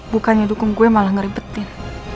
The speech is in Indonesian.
bukannya dukung gue malah ngeribetin